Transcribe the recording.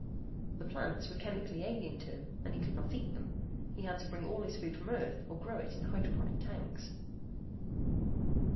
The plants were chemically alien to him and he could not eat them; he had to bring all his food from Earth or grow it in hydroponic tanks.